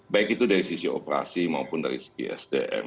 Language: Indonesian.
baik itu dari sisi operasi maupun dari segi sdm